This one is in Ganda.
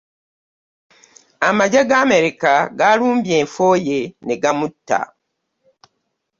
Amagye ga America galumbye enfo ye ne gamutta